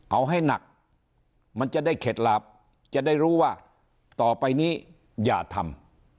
เอาให้หนักมันจะได้เข็ดหลาบจะได้รู้ว่าต่อไปนี้อย่าทำ